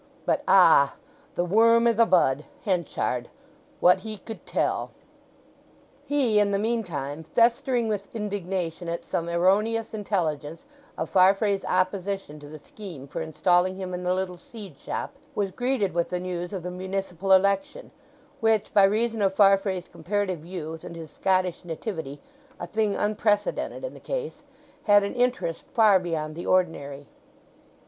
But, Ah! the worm i' the bud—Henchard; what he could tell! He, in the meantime, festering with indignation at some erroneous intelligence of Farfrae's opposition to the scheme for installing him in the little seed shop, was greeted with the news of the municipal election (which, by reason of Farfrae's comparative youth and his Scottish nativity—a thing unprecedented in the case—had an interest far beyond the ordinary).